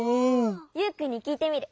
ユウくんにきいてみる！